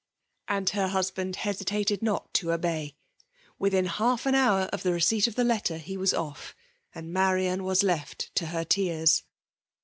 And her husband hesitated not to obey. Within half an hour of the receipt of the letter, he was off; and Marian was left to her tears.